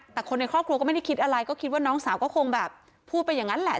แต่คนในครอบครัวก็ไม่ได้คิดอะไรก็คิดว่าน้องสาวก็คงแบบพูดไปอย่างนั้นแหละ